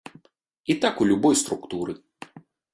І так у любой структуры.